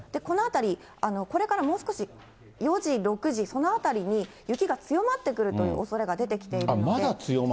この辺り、これからもう少し４時、６時、そのあたりに雪が強まってくるというおそれが出てきているので。